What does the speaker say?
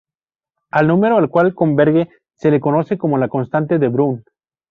Al número al cual converge se le conoce como la constante de Brun.